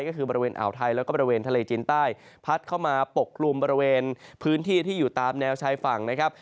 ก็คือบริเวณอ่าวไทยแล้วก็บริเวณทะเลจีนใต้พัดเข้ามาปกกลุ่มบริเวณพื้นที่ที่อยู่ตามแนวชายฝั่งนะครับ